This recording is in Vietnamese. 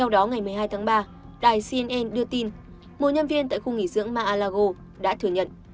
đó ngày một mươi hai tháng ba đài cnn đưa tin một nhân viên tại khu nghỉ dưỡng mar a lago đã thừa nhận